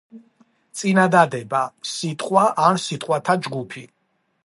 წინადადება — სიტყვა, ან სიტყვათა ჯგუფი,